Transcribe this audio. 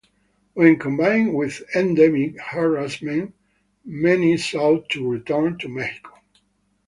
When combined with endemic harassment, many sought to return to Mexico.